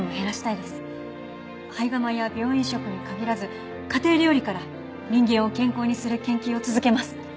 胚芽米や病院食に限らず家庭料理から人間を健康にする研究を続けます。